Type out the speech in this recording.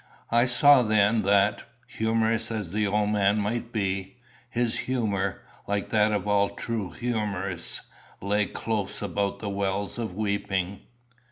I saw then that, humorist as the old man might be, his humour, like that of all true humorists, lay close about the wells of weeping.